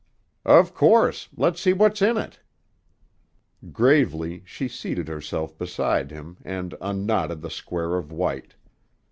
"Of course. Let's see what's in it." Gravely she seated herself beside him and unknotted the square of white.